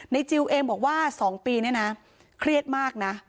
ในจิลเองบอกว่าสองปีเนี้ยน่ะเครียดมากน่ะ